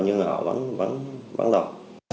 nhưng họ vẫn vẫn vẫn đọc